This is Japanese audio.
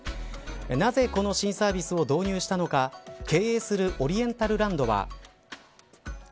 なぜ、この新サービスを導入したのか経営するオリエンタルランドは。